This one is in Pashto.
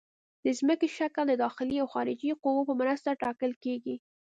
د ځمکې شکل د داخلي او خارجي قوو په مرسته ټاکل کیږي